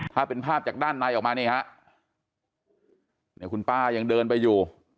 ถ้าเป็นภาพจากด้านในออกมานี่ฮะเนี่ยคุณป้ายังเดินไปอยู่